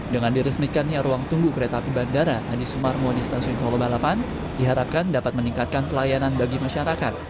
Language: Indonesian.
dengan diresmikannya ruang tunggu kereta api bandara adi sumarmo di stasiun solo balapan diharapkan dapat meningkatkan pelayanan bagi masyarakat